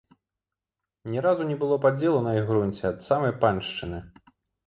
Ні разу не было падзелу на іх грунце ад самай паншчыны.